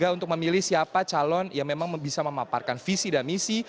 jadi kita bisa memilih siapa calon yang memang bisa memaparkan visi dan misi